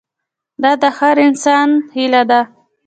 دا د هر انسان هیله ده.